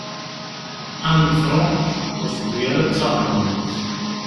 Anne Frank ur telli ara d taɣermant.